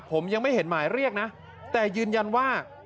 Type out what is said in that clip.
ผมยังไม่เห็นหมายเรียกนะแต่ยืนยันว่า